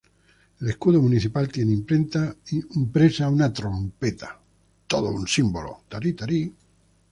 El escudo municipal tiene impresa una trompeta, todo un símbolo.